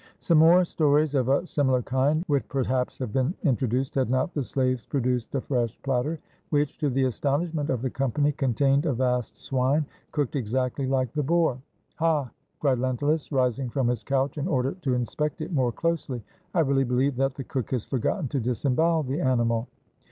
Some more stories of a similar kind would perhaps have been introduced, had not the slaves produced a fresh platter, which, to the astonishment of the com pany, contained a vast swine, cooked exactly like the boar. "Ha!" cried Lentulus, rising from his couch, in order to inspect it more closely, "I really believe that the cook has forgotten to disembowel the animal.